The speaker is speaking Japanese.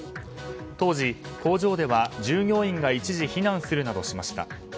当時、工場では従業員が一時避難するなどしました。